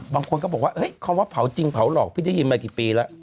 บางคนก็บอกว่าคำว่าเผาจริงเผาหลอกพี่ได้ยินมากี่ปีแล้ว